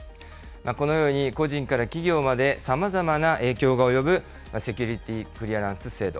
このように個人から企業まで、さまざまな影響が及ぶセキュリティークリアランス制度。